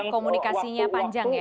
komunikasinya panjang ya